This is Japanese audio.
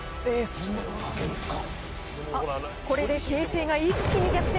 これで形勢が一気に逆転。